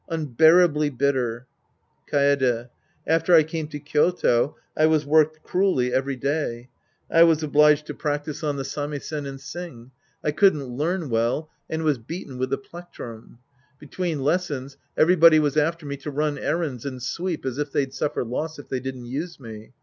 Unbeara bly bitter. Kaede. After I came to KySto, I was worked cruelly every day. I was obliged to practise on the 148 The Priest and His Disciples Act IV samisen and sing. I couldn't learn well and was beaten with the plectrum. Between lessons every body was after me to run errands and sweep as if they'd suffer loss if they didn't use me.